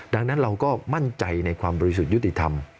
ดังนั้นเราก็มั่นใจในความบริสุทธิ์ยุติธรรม